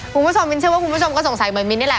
มิ้นเชื่อว่าคุณผู้ชมก็สงสัยเหมือนมิ้นนี่แหละ